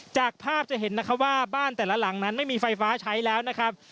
จากภาพจะเห็นนะคะว่าบ้านแต่ละหลังนั้นไม่มีไฟฟ้าใช้แล้วนะครับ